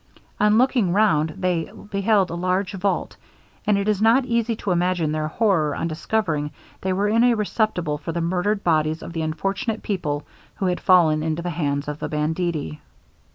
On looking round they beheld a large vault; and it is not easy to imagine their horror on discovering they were in a receptacle for the murdered bodies of the unfortunate people who had fallen into the hands of the banditti.